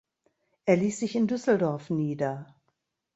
Er ließ sich in Düsseldorf nieder.